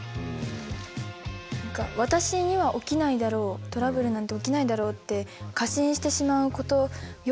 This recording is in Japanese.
何か私には起きないだろうトラブルなんて起きないだろうって過信してしまうことよくあることなので。